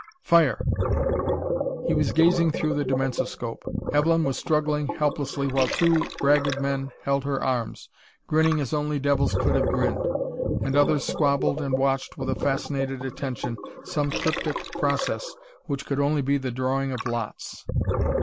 Fire!" He was gazing through the dimensoscope. Evelyn was struggling helplessly while two Ragged Men held her arms, grinning as only devils could have grinned, and others squabbled and watched with a fascinated attention some cryptic process which could only be the drawing of lots....